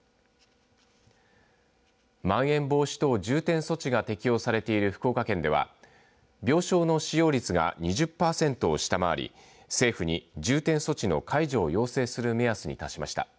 まん延防止等重点措置が適用されている福岡県では病床の使用率が２０パーセントを下回り政府に重点措置の解除を要請する目安に達しました。